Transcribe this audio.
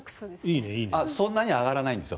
そんなに上がらないんですよ。